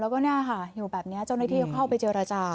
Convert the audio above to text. แล้วก็อยู่แบบนี้เจ้าหน้าที่เข้าไปเจอราจารย์